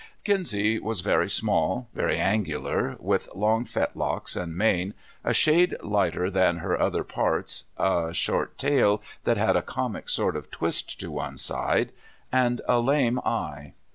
Ginsy was very small, very angular, with long fet locks and mane a shade lighter than her other parts, a short tail that had a comic sort of twist to one side, and a lame eye.